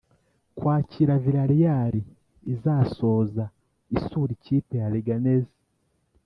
kwakira villarreal.izasoza isura ikipe ya leganes.